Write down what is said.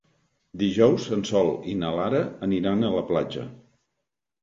Dijous en Sol i na Lara aniran a la platja.